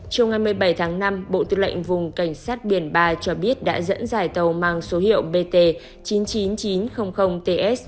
trong ngày một mươi bảy tháng năm bộ tư lệnh vùng cảnh sát biển ba cho biết đã dẫn dải tàu mang số hiệu bt chín mươi chín nghìn chín trăm linh ts